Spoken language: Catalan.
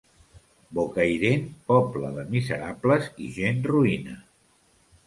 Bocairent, poble de miserables i gent roïna.